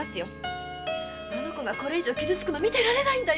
あの娘がこれ以上傷つくのを見てられないんだよ！